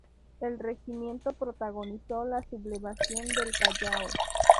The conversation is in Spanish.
El regimiento protagonizó la Sublevación del Callao.